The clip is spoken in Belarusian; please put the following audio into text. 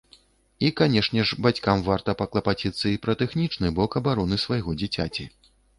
І канешне ж, бацькам варта паклапаціцца і пра тэхнічны бок абароны свайго дзіцяці.